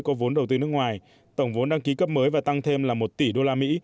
có vốn đầu tư nước ngoài tổng vốn đăng ký cấp mới và tăng thêm là một tỷ usd